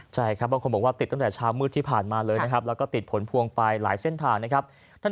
ใช่บางคนบอกว่าติดตั้งแต่ช้ามืดที่ผ่านมาและติดผลพวงไปหลายเส้นทาง